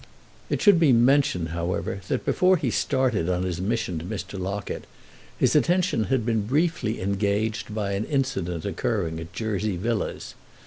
It should be mentioned, however, that before he started on his mission to Mr. Locket his attention had been briefly engaged by an incident occurring at Jersey Villas.